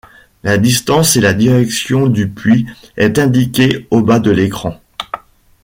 La distance et la direction du puits est indiquée au bas de l’écran.